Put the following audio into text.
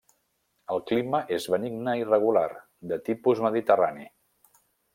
El clima és benigne i regular, de tipus mediterrani.